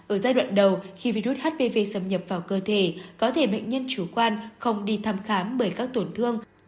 ở giai đoạn đầu khi virus hpv xâm nhập vào cơ thể có thể bệnh nhân chủ quan không đi thăm khám bởi các tổn thương